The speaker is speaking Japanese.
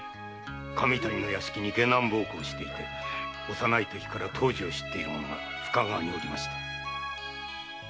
神谷の屋敷に下男奉公していて幼いときから藤十を知っている者が深川におりました。